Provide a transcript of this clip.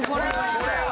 これは。